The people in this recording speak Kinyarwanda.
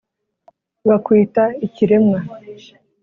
bakwita ikiremwa